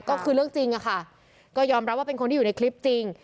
ก็คือเรื่องจริงอะค่ะก็ยอมรับว่าเป็นคนที่อยู่ในคลิปจริง